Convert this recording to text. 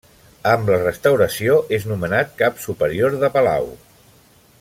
Amb la restauració és nomenat Cap Superior de Palau.